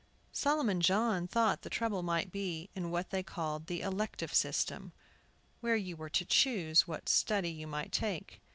Solomon John thought the trouble might be in what they called the elective system, where you were to choose what study you might take.